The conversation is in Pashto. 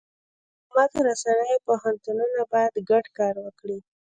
حکومت، رسنۍ، او پوهنتونونه باید ګډ کار وکړي.